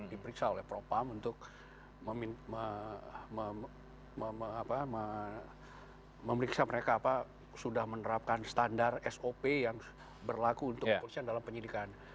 diperiksa oleh propam untuk memeriksa mereka sudah menerapkan standar sop yang berlaku untuk kepolisian dalam penyidikan